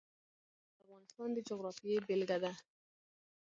خاوره د افغانستان د جغرافیې بېلګه ده.